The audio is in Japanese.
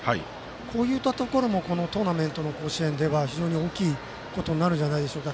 こういったところもトーナメントの甲子園では大きいことになるんじゃないでしょうか。